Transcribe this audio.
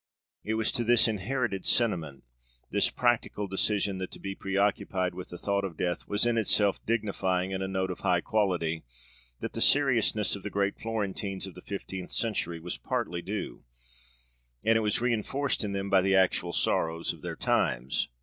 It was to this inherited sentiment, this practical decision that to be preoccupied with the thought of death was in itself dignifying and a note of high quality, that the seriousness of the great Florentines of the fifteenth century was partly due; and it was reinforced in them by the actual sorrows of their times.'